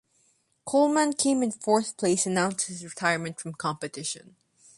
Coleman came in fourth place and announced his retirement from competition.